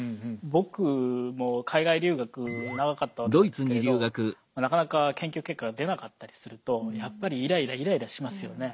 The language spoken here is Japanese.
僕も海外留学長かったわけなんですけれどなかなか研究結果が出なかったりするとやっぱりイライライライラしますよね。